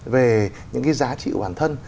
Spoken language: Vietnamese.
về những giá trị của bản thân